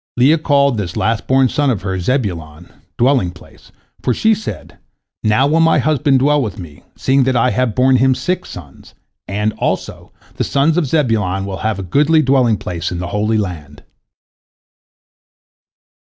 Leah called this last born son of hers Zebulon, "dwelling place," for she said, "Now will my husband dwell with me, seeing that I have borne him six sons, and, also, the sons of Zebulon will have a goodly dwelling place in the Holy Land."